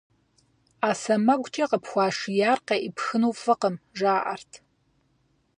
Ӏэ сэмэгукӀэ къыпхуашияр къеӀыпхыну фӀыкъым, жаӀэрт.